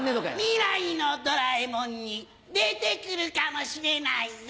未来のドラえもんに出てくるかもしれないよ。